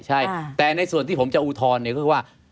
ใช่แต่ในส่วนที่ผมจะอูธรณ์ก็คือว่า